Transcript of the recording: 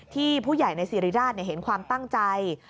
ผู้ใหญ่ในสิริราชเห็นความตั้งใจ